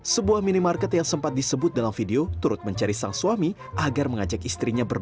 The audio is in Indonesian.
sebuah minimarket yang sempat disebut dalam video turut mencari sang suami agar mengajak istrinya bermain